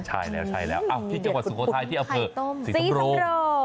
ใช่แล้วที่จังหวัดสุโขทัยที่เอาเผลอไข่ต้มสีสังโรค